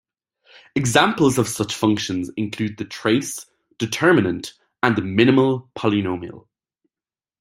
Examples of such functions include the trace, determinant, and the minimal polynomial.